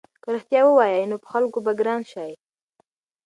که رښتیا ووایې نو په خلکو کې به ګران شې.